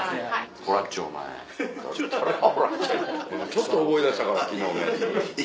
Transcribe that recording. ちょっと思い出したからって。